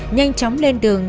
nhanh chóng lên đường